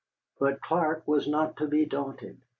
But Clark was not to be daunted.